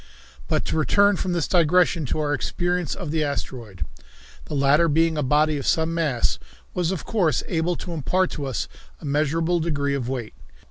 But to return from this digression to our experience of the asteroid. The latter being a body of some mass was, of course, able to impart to us a measurable degree of weight.